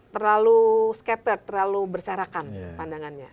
terlalu skater terlalu berserakan pandangannya